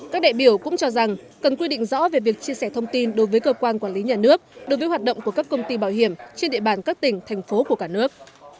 các đại biểu cũng cho rằng cần quy định rõ về việc chia sẻ thông tin đối với cơ quan quản lý nhà nước đối với hoạt động của các công ty bảo hiểm trên địa bàn các tỉnh thành phố của cả nước